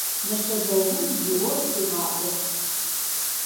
Нэшэбэгум игъо хъугъаӀо.